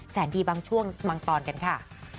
แสนดีบางช่วงบางตอนกันค่ะ